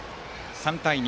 ３対２。